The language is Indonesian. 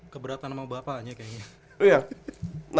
keberatan sama bapaknya kayaknya